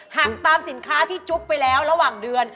หักตามสินค้าที่จุ๊บไปแล้วระหว่างเดือน